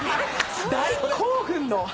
大興奮の。